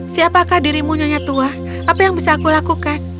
siapakah dirimu nyonya tua apa yang bisa aku lakukan